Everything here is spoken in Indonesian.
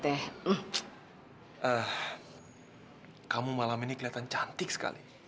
eh kamu malam ini kelihatan cantik sekali